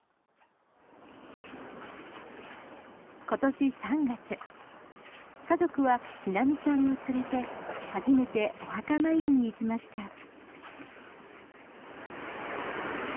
今年３月、家族は陽心ちゃんを連れて初めてお墓参りに行きました。